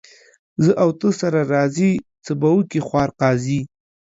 زه او ته سره راضي ، څه به وکي خوار قاضي.